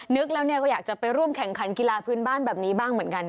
นึกแล้วก็อยากจะไปร่วมแข่งขันกีฬาพื้นบ้านแบบนี้บ้างเหมือนกัน